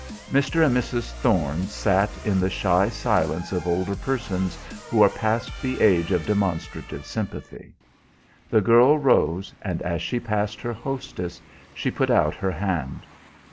Mr. and Mrs. Thorne sat in the shy silence of older persons who are past the age of demonstrative sympathy. The girl rose, and as she passed her hostess she put out her hand.